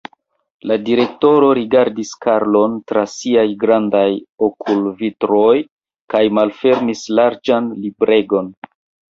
La direktoro rigardis Karlon tra siaj grandaj okulvitroj kaj malfermis larĝan libregon.